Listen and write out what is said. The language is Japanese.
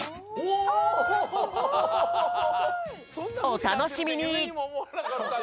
お楽しみに！